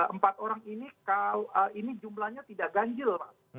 empat orang ini jumlahnya tidak ganjil